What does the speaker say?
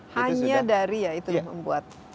hanya dari ya itu membuat